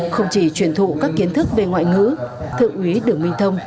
không chỉ truyền thụ các kiến thức về ngoại ngữ thượng úy đường minh thông